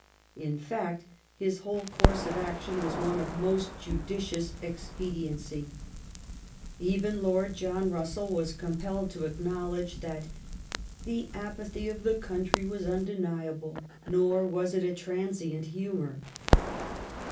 In fact, his whole course of action was one of most judicious expediency. Even Lord John Bussell iras compelled to acknowledge that '' the apathy of the oonntry was undeniable, nor was it a transient humour.'